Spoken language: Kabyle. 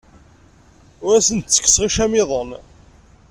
Ur asent-ttekkseɣ icamiḍen.